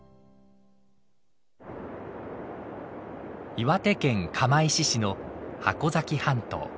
岩手県釜石市の箱崎半島。